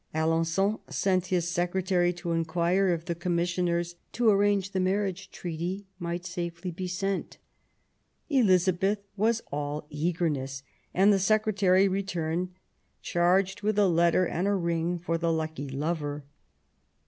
Alen9on sent his secretary to inquire if the commis 176 QUEEN ELIZABETH. sioners to arrange the marriage treaty might safely be sent. Elizabeth was all eagerness; and the secretary returned charged with a letter and a ring for the lucky lover.